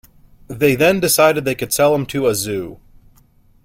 They then decided they could sell him to a zoo.